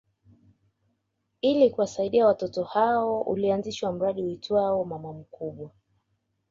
Ili kuwasaidia watoto hao ulianzishwa mradi uitwao Mama Mkubwa